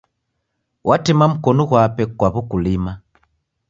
Watima mkonu ghwape kwa w'ukulima.